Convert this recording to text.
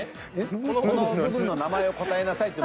この部分の名前を答えなさいって問題なの。